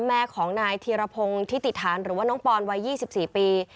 แม่ของนายธีรพงศ์ทิติฐานหรือว่าน้องปอนวัย๒๔ปี